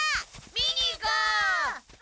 見に行こう！